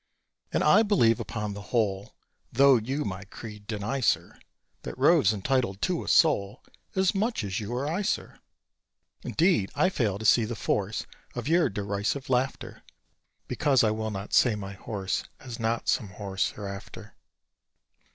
And I believe upon the whole (Though you my creed deny, sir), That Rove's entitled to a soul As much as you or I, sir! Indeed, I fail to see the force Of your derisive laughter Because I will not say my horse Has not some horse hereafter.